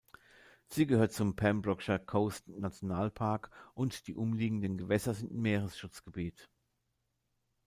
Sie gehört zum Pembrokeshire-Coast-Nationalpark, und die umliegenden Gewässer sind Meeresschutzgebiet.